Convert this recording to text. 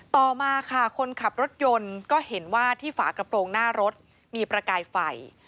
ต่อมาค่ะคนขับรถยนต์ก็เห็นว่าที่ฝากระโปรงหน้ารถมีประกายไฟ